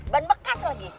ban bekas lagi